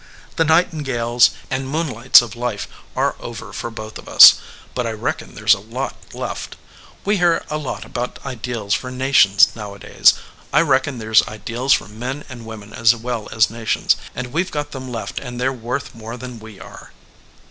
The nightingales and moonlights of life are over for both of us, but I reckon there s a lot left. We hear a lot about ideals for nations nowadays. I reckon there s ideals for men and women as well as nations, and we ve got them left, and they re worth more than we are."